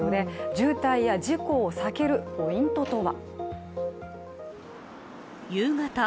渋滞や事故を避けるポイントとは。